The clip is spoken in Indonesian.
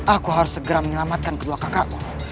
aku harus segera menyelamatkan kedua kakakku